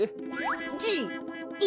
じい。